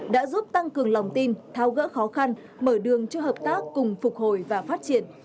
đã giúp tăng cường lòng tin tháo gỡ khó khăn mở đường cho hợp tác cùng phục hồi và phát triển